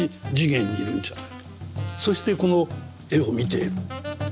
そしてこの絵を見ている。